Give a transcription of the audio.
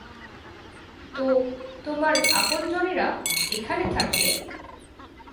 তো তোমার আপনজনেরা এখানে থাকে?